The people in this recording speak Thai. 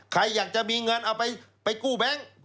ใครอยากจะมีเงินเอาไปกู้แบงค์